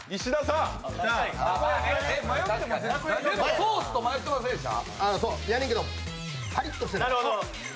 ソースと迷ってませんでした？